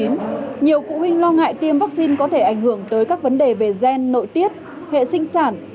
nhiều phụ huynh lo ngại tiêm vaccine có thể ảnh hưởng tới các vấn đề về gen nội tiết hệ sinh sản